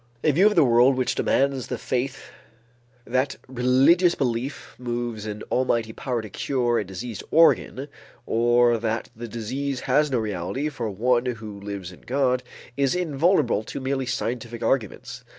A view of the world which demands the faith that religious belief moves an almighty power to cure a diseased organ, or that the disease has no reality for one who lives in God, is invulnerable to merely scientific arguments.